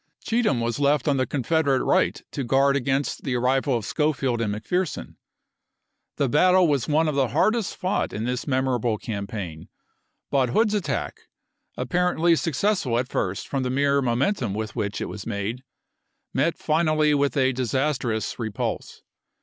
Cheatham was left on the Confederate right to guard against the arrival of Schofield and McPherson. The battle was one of the hardest fought in this memorable campaign, but Hood's attack — apparently success ful at first from the mere momentum with which it was made — met finally with a disastrous repulse.